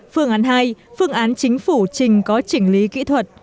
phương án hai phương án chính phủ trình có chỉnh lý kỹ thuật